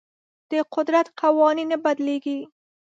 د قدرت قوانین نه بدلیږي.